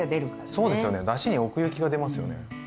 そうですよねだしに奥行きが出ますよね。